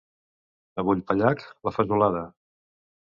A Vulpellac, la fesolada.